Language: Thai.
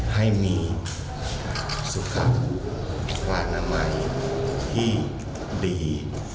ให้มีสุขับธวรรณมัยที่ดี